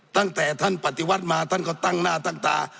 ตั้งแต่ท่านปฏิวัติมาท่านก็ตั้งหน้าตั้งตา